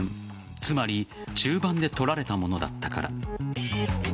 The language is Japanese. つまり中盤で取られたものだったから。